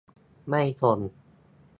ไม่ทน